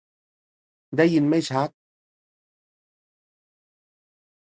ได้ยินไม่ชัด !